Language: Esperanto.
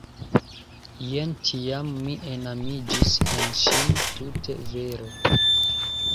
Jen tiam mi enamiĝis en ŝin tute vere.